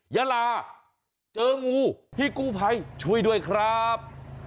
ยาลาเจองูพี่กู้ภัยช่วยด้วยครับ